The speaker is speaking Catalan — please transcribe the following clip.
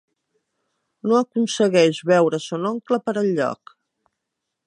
No aconsegueix veure son oncle per enlloc.